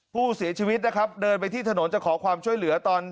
ผู้เสียชีวิตนะครับเดินไปที่ถนนจะขอความช่วยเหลือตอน